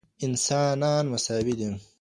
انسانان مساوي دي.